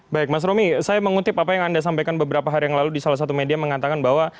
baik mas romy saya mengutip apa yang anda sampaikan beberapa hari yang lalu di salah satu media mengatakan bahwa